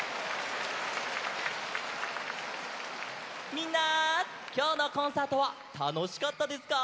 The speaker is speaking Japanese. みんなきょうのコンサートはたのしかったですか？